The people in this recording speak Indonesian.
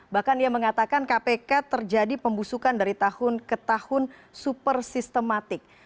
bahkan dia mengatakan kpk terjadi pembusukan dari tahun ke tahun super sistematik